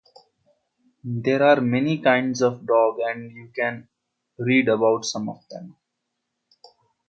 There are many kinds of dogs and you can read about some of them.